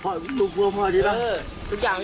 พ่อเมาตัวลิงหนูจะไปเยี่ยมบ่อยแล้ว